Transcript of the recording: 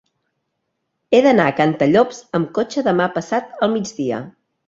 He d'anar a Cantallops amb cotxe demà passat al migdia.